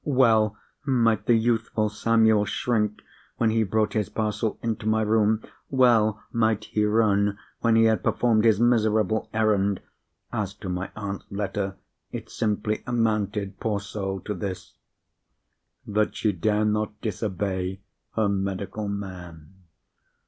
Well might the youthful Samuel shrink when he brought his parcel into my room! Well might he run when he had performed his miserable errand! As to my aunt's letter, it simply amounted, poor soul, to this—that she dare not disobey her medical man.